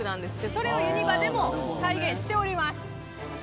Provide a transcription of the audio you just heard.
それをユニバでも再現しております。